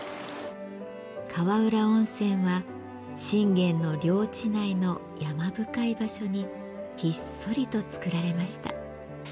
川浦温泉は信玄の領地内の山深い場所にひっそりとつくられました。